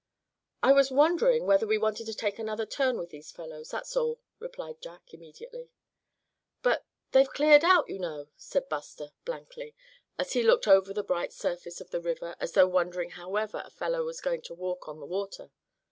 "I was wondering whether we wanted to take another turn with these fellows, that's all," replied Jack, immediately. "But they've cleared out, you know!" said Buster, blankly, as he looked over the bright surface of the river, as though wondering however a fellow was going to walk on the water.